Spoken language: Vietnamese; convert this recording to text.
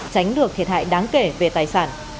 tránh được thiệt hại đáng kể về tài sản